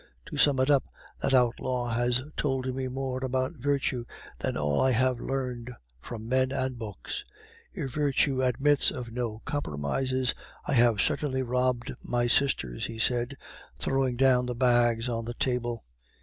To sum it up, that outlaw has told me more about virtue than all I have learned from men and books. If virtue admits of no compromises, I have certainly robbed my sisters," he said, throwing down the bags on the table.